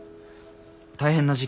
大変な事件？